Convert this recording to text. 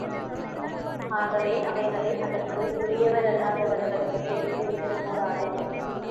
ஆகவே அவைகளை அதற்கு உரியவரல்லாதவர்களுக்குச் செய்துவிடக் கூடாது.